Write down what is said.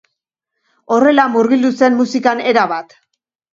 Horrela murgildu zen musikan erabat.